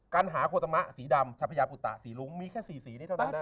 กันหาโฆธมะสีดำชะพยาปุตตะสีลุ้งมีแค่สีนี่เท่านั้น